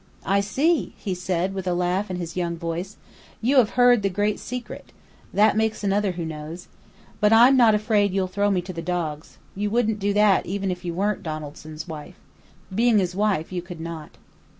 "I see!" he said, with a laugh in his young voice. "You have heard the great secret! That makes another who knows. But I'm not afraid you'll throw me to the dogs. You wouldn't do that even if you weren't Donaldson's wife. Being his wife, you could not."